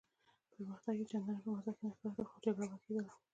پرمختګ یې چنداني په مزه کې نه ښکارېده، خو جګړه به کېدله.